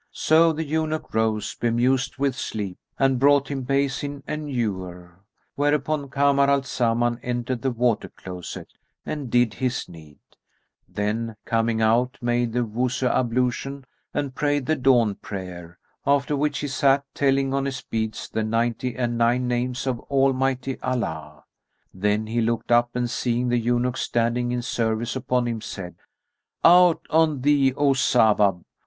So the eunuch rose, bemused with sleep, and brought him basin and ewer, whereupon Kamar al Zaman entered the water closet and did his need;[FN#271] then, coming out made the Wuzu ablution and prayed the dawn prayer, after which he sat telling on his beads the ninety and nine names of Almighty Allah. Then he looked up and, seeing the eunuch standing in service upon him, said, "Out on thee, O Sawáb!